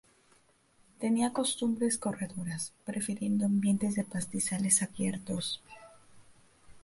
Tenía costumbres corredoras, prefiriendo ambientes de pastizales abiertos.